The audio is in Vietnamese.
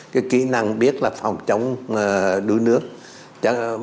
cái kỹ năng biết là phòng chống đuôi nước